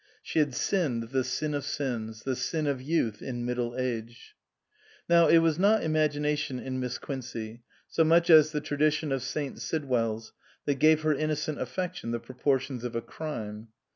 She had sinned the sin of sins, the sin of youth in middle age. Now it was not imagination in Miss Quincey, so much as the tradition of St. Sidwell's, that gave her innocent affection the proportions of a crime.